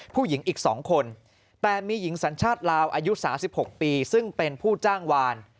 ผู้หญิงอีก๒คนแต่มีหญิงสัญชาติลาวอายุ๓๖ปีซึ่งเป็นผู้จ้างวาน